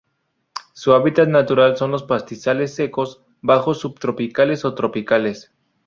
Su hábitat natural son los pastizales secos bajos subtropicales o tropicales.